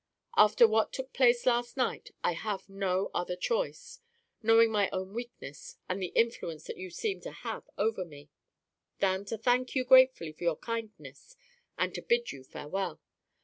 After what took place last night, I have no other choice (knowing my own weakness, and the influence that you seem to have over me) than to thank you gratefully for your kindness, and to bid you farewell.